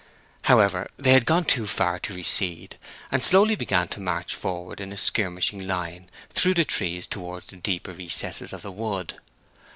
However, they had gone too far to recede, and slowly began to march forward in a skirmishing line through the trees towards the deeper recesses of the wood.